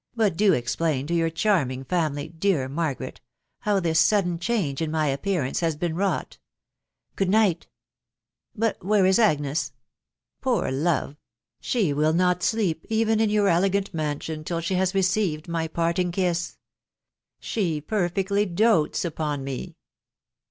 1ml; do explain to your flharmirig family, dear Margaret ! how this sudden change r» my appearance has heen wretight> ..♦. Good night !••.. But where ia Ague*? .... Fewr lore ! she will not sfeefe even in your elegant mansion, till, she* has re ceived nay patting krso, She perfectly dotes upon me!